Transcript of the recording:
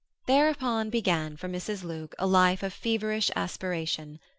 Thereupon began for Mrs. Luke a life of feverish aspiration.